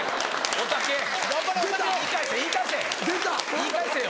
言い返せよ！